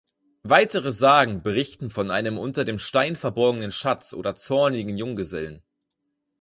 Weitere Sagen berichten von einem unter dem Stein verborgenen Schatz oder zornigen Junggesellen.